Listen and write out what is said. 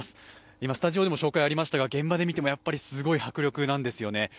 今、スタジオでも紹介がありましたが現場で見てもすごい迫力なんですよね。